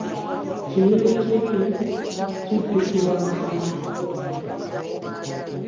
Kiyinikibi, kijjukirwa malima.